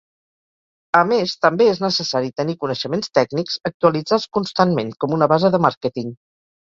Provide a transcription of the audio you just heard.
A més, també és necessari tenir coneixements tècnics, actualitzats constantment, com una base de màrqueting.